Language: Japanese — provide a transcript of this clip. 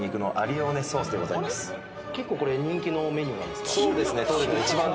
結構これ人気のメニューなんですか？